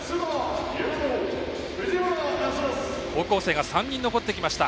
高校生が３人残ってきました。